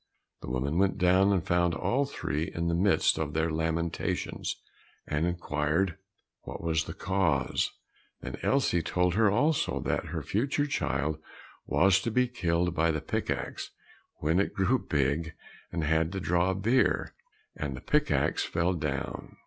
The woman went down, and found all three in the midst of their lamentations, and inquired what was the cause; then Elsie told her also that her future child was to be killed by the pick axe, when it grew big and had to draw beer, and the pick axe fell down.